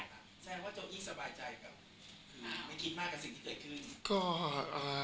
แสดงว่าเจ้าอี้สบายใจแบบไม่คิดมากกับสิ่งที่เกิดขึ้น